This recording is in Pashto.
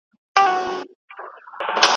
شاګرد د موضوع پوښتني ولي جوړوي؟